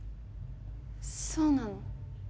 そうなの？